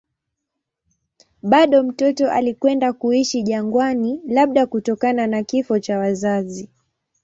Bado mtoto alikwenda kuishi jangwani, labda kutokana na kifo cha wazazi.